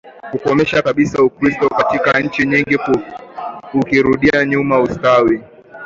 kukomesha kabisa Ukristo katika nchi nyingi ukirudisha nyuma ustawi